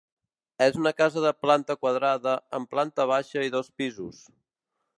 És una casa de planta quadrada, amb planta baixa i dos pisos.